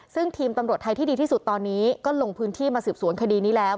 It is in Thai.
ซึ่งทีมตำรวจไทยที่ดีที่สุดตอนนี้ก็ลงพื้นที่มาสืบสวนคดีนี้แล้ว